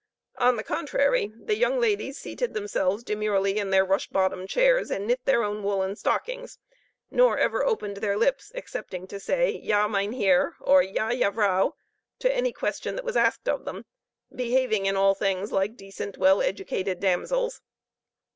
On the contrary, the young ladies seated themselves demurely in their rush bottomed chairs, and knit their own woollen stockings; nor ever opened their lips excepting to say "yah Mynheer," or "yah ya Vrouw," to any question that was asked them; behaving, in all things, like decent, well educated damsels.